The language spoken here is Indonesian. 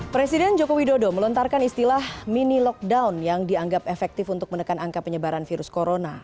presiden joko widodo melontarkan istilah mini lockdown yang dianggap efektif untuk menekan angka penyebaran virus corona